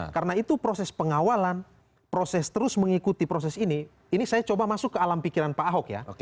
karena itu proses pengawalan proses terus mengikuti proses ini ini saya coba masuk ke alam pikiran pak hock ya